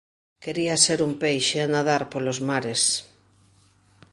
Quería ser un peixe a nadar polos mares